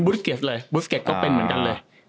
ริเก็ตเลยบูสเก็ตก็เป็นเหมือนกันเลย